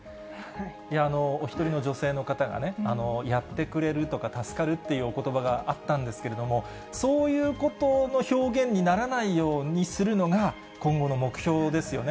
お１人の女性の方がね、やってくれるとか、助かるっていうおことばがあったんですけれども、そういうことの表現にならないようにするのが、今後の目標ですよね。